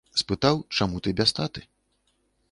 Спытаў, чаму ты без таты?